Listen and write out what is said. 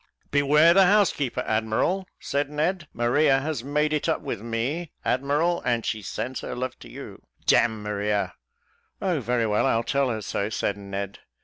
"Beware the housekeeper, admiral," said Ned. "Maria has made it up with me, admiral, and she sends her love to you." "D n Maria." "Oh, very well, I'll tell her so," said Ned.